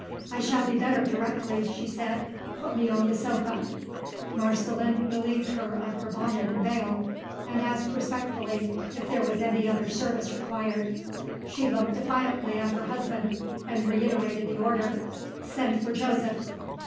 "I shall be better directly," she said; "put me on the sofa." Marceline relieved her of her bonnet and veil, and asked respectfully if there was any other service required. She looked defiantly at her husband, and reiterated the order "Send for Joseph."